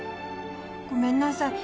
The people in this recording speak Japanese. ごめんなさい